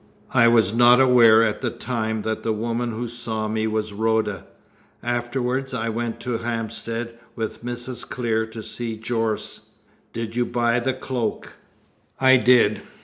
I was not aware at the time that the woman who saw me was Rhoda. Afterwards I went to Hampstead with Mrs. Clear, to see Jorce." "Did you buy the cloak?" "I did.